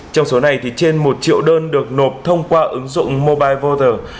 trong số này thì trên một triệu đơn được nộp thông qua ứng dụng mobile voter